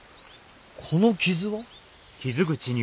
この傷は？